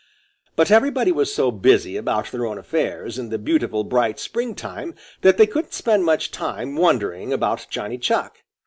But everybody was so busy about their own affairs in the beautiful bright spring time that they couldn't spend much time wondering about Johnny Chuck.